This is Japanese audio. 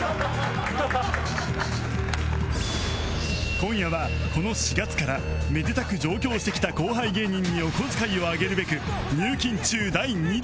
今夜はこの４月からめでたく上京してきた後輩芸人にお小遣いをあげるべく入金中第２弾